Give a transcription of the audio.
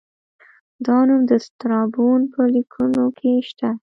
دا نوم د سترابون په لیکنو کې شته